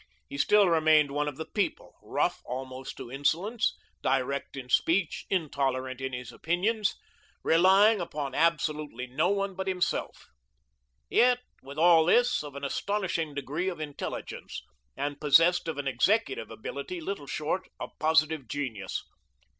He still remained one of the people, rough almost to insolence, direct in speech, intolerant in his opinions, relying upon absolutely no one but himself; yet, with all this, of an astonishing degree of intelligence, and possessed of an executive ability little short of positive genius.